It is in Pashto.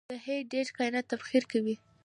د هیټ ډیت کائنات تبخیر کوي.